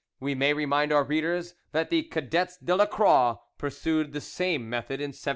We may remind our readers that the "Cadets de la Croix" pursued the same method in 1704.